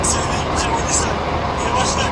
زه بايد ليکلي پاڼي ترتيب کړم